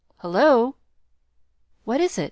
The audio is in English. Hullo!" "What is it?"